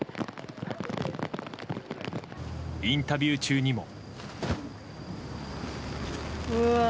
インタビュー中にも。